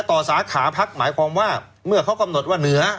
สาขาพักหมายความว่าเมื่อเขากำหนดว่าเหนือ